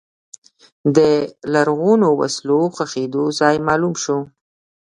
د لرغونو وسلو ښخېدو ځای معلوم شو.